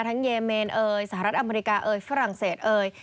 เยเมนเอยสหรัฐอเมริกาเอยฝรั่งเศสเอ่ย